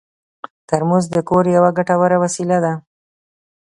ترموز د کور یوه ګټوره وسیله ده.